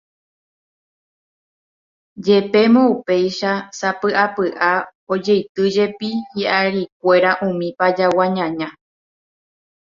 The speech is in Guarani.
Jepémo upéicha, sapy'apy'a, ojeitýjepi hi'arikuéra umi Pajagua ñaña